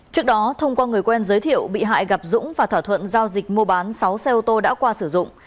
trước đó thông qua người quen giới thiệu bị hại gặp dũng và thỏa thuận giao dịch mua bán sáu xe ô tô đã qua sử dụng